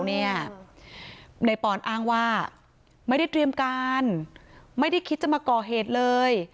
นายปอนอ้างว่าไม่ได้เตรียมการไม่ได้คิดจะมาก่อเหตุเลย